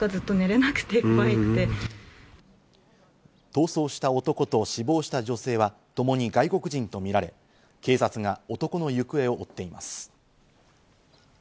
逃走した男と死亡した女性はともに外国人とみられ、警察が男の行方を追っています。